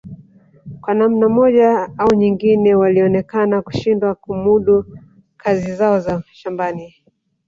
kwa namna moja au nyingine walionekana kushindwa kumudu kazi zao za shambani